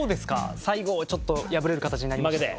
最後ちょっと敗れる形になりましたけど。